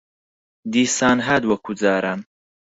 دیسان هات وەکوو جاران